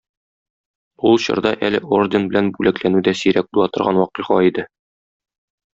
Ул чорда әле орден белән бүләкләнү дә сирәк була торган вакыйга иде.